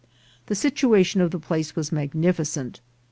The situation of the place was mag nificent.